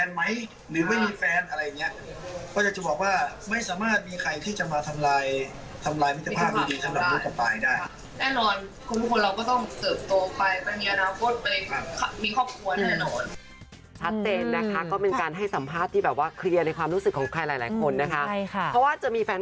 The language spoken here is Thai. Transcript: ในอนาคตเราจะเป็นอะไรจะมีแฟนไหมถึงไม่มีแฟน